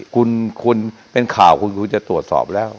คุณเป็นข่าวคุณจะตรวจสอบแล้ว